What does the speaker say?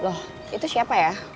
loh itu siapa ya